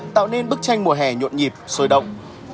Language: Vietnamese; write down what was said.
tạo nên bức tranh mùa hè nhuộn nhịp sôi động